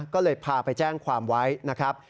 ก็เลยพาไปแจ้งความไว้นะครับ